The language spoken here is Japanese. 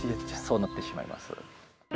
そうなってしまいます。